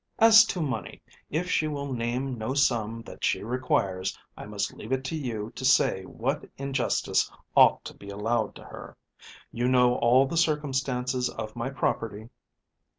"As to money, if she will name no sum that she requires I must leave it to you to say what in justice ought to be allowed to her. You know all the circumstances of my property."